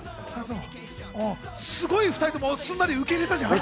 すごい２人とも、すんなり受け入れたじゃん。